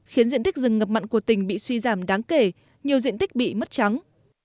khiến diện tích rừng ngập mặn của tỉnh bị suy giảm đáng kể nhiều diện tích bị mất trắng